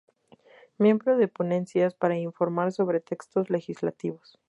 Miembro de ponencias para informar sobre textos legislativos.